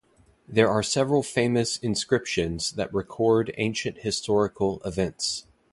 There are several famous inscriptions that record ancient historical events.